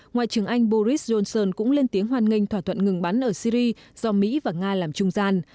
ngoại trưởng anh boris johnson cũng lên tiếng hoan nghênh thỏa thuận ngừng bắn ở syri do mỹ và nga làm trung gian